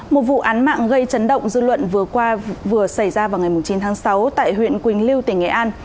một vụ án mạng gây chấn động dư luận vừa qua vừa xảy ra vào ngày chín tháng sáu tại huyện quỳnh lưu tỉnh nghệ an